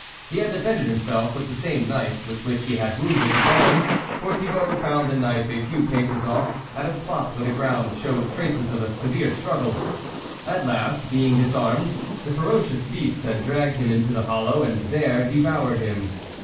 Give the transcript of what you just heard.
He had defended himself with the same knife with which he had wounded the Baron, for Thibault found the knife a few paces off, at a spot where the ground showed traces of a severe struggle ; at last, being disarmed, the ferocious beasts had dragged him into the hollow, and there devoured him.